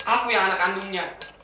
aku yang anak kandungnya